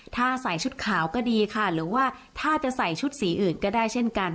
ถ้าใส่ชุดขาวก็ดีค่ะหรือว่าถ้าจะใส่ชุดสีอื่นก็ได้เช่นกัน